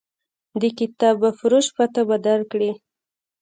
د کتابفروش پته به درکړي.